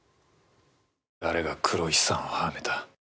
誰が黒石さんをはめた？